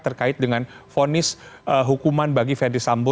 terkait dengan fonis hukuman bagi ferdis sambo